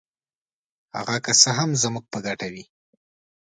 هغه که څه هم زموږ په ګټه وي.